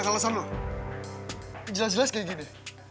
jelas jelas kayak gini